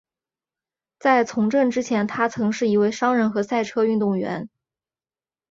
在从政之前他曾是一位商人和赛车运动员。